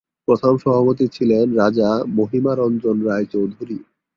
প্রথম সভাপতি ছিলেন রাজা মহিমা রঞ্জন রায়চৌধুরী।